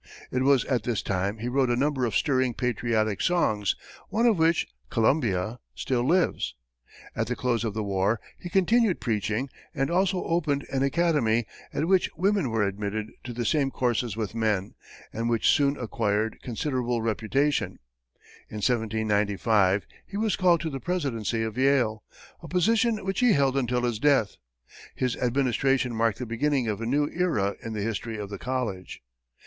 It was at this time he wrote a number of stirring patriotic songs, one of which, "Columbia," still lives. At the close of the war, he continued preaching and also opened an academy, at which women were admitted to the same courses with men, and which soon acquired considerable reputation. In 1795, he was called to the presidency of Yale, a position which he held until his death. His administration marked the beginning of a new era in the history of the college.